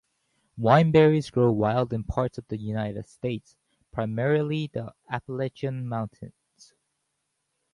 Wineberries grow wild in parts of the United States, primarily the Appalachian Mountains.